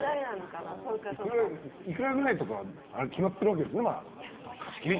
いくらぐらいとか決まってるわけですよね？